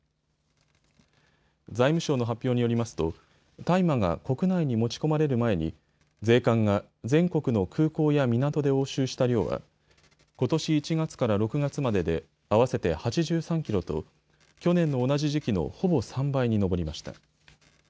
財務省の発表によりますと大麻が国内に持ち込まれる前に税関が全国の空港や港で押収した量はことし１月から６月までで合わせて８６キロと去年の同じ時期のほぼ３倍に上りました。